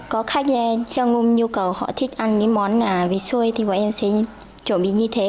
có khách theo ngung nhu cầu họ thích ăn món vị xôi thì bọn em sẽ chuẩn bị như thế